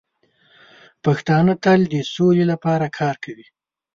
پښتانه تل د سولې لپاره کار کوي.